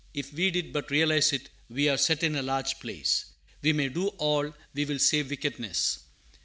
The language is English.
If we did but realize it, we are "set in a large place." "We may do all we will save wickedness."